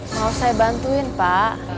mau saya bantuin pak